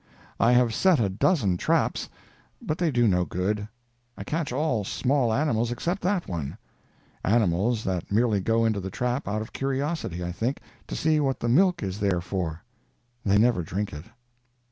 I have set a dozen traps, but they do no good. I catch all small animals except that one; animals that merely go into the trap out of curiosity, I think, to see what the milk is there for. They never drink it.